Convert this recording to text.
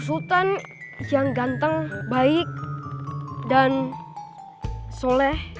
sultan yang ganteng baik dan soleh